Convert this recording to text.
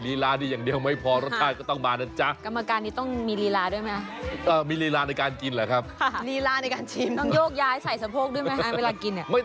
รีลานี่อย่างเดียวไม่พอรสชาติก็ต้องมานะจ๊ะกรรมการนี้ต้องมีรีลาด้วยไหมเอ่อมีรีลาในการกินเหรอครับ